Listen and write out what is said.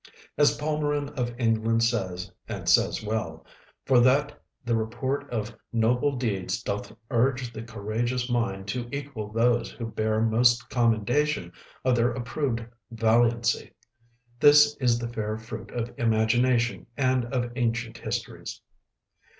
As Palmerin of England says, and says well: "For that the report of noble deeds doth urge the courageous mind to equal those who bear most commendation of their approved valiancy; this is the fair fruit of Imagination and of ancient histories."